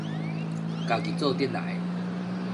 家己做得來